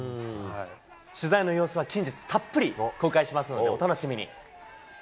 取材の様子は近日、たっぷり公開しますので、お楽しみに。